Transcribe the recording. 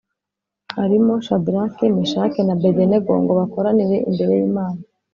harimo Shadaraki Meshaki na Abedenego ngo bakoranire imbere yimana